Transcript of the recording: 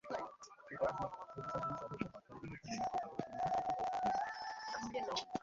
অবশ্য বার্সা এরই মধ্যে নেইমারকে আরও একটি নতুন চুক্তির প্রস্তাব দিয়ে রেখেছে।